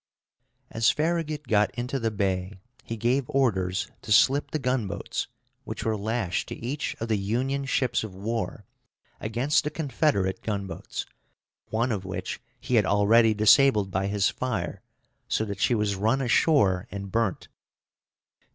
As Farragut got into the bay he gave orders to slip the gunboats, which were lashed to each of the Union ships of war, against the Confederate gunboats, one of which he had already disabled by his fire, so that she was run ashore and burnt.